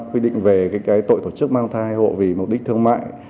quy định về tội tổ chức mang thai hộ vì mục đích thương mại